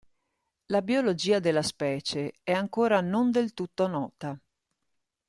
La biologia della specie è ancora non del tutto nota.